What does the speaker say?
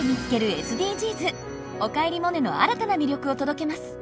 「おかえりモネ」の新たな魅力を届けます。